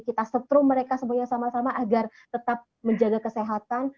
kita setrum mereka semuanya sama sama agar tetap menjaga kesehatan